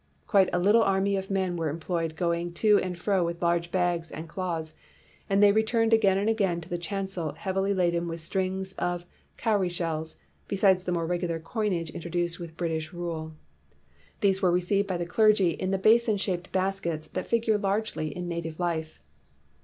Quite a little army of men were employed going to and fro with large bags and cloths, and they re turned again and again to the chancel heavily laden with strings of cowry shells, besides the more regular coinage introduced with British rule. These were received by the clergy in the basin shaped baskets that figure largely in native life.